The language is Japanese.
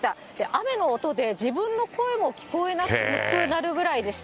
雨の音で、自分の声も聞こえなくなるぐらい。